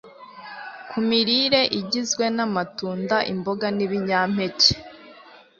ku mirire igizwe namatunda imboga nibinyampeke